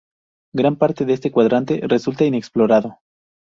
Gran parte de este cuadrante resulta inexplorado.